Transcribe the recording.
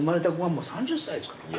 もう今多いですからね。